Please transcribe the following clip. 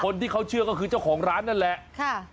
คนที่เขาเชื่อก็คือเจ้าของร้านนั่นแหละค่ะ